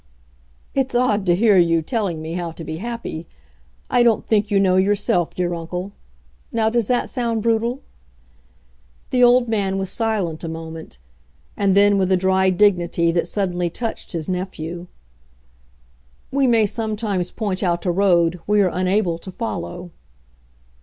"It's odd to hear you telling me how to be happy. I don't think you know yourself, dear uncle. Now, does that sound brutal?" The old man was silent a moment, and then, with a dry dignity that suddenly touched his nephew: "We may sometimes point out a road we are unable to follow."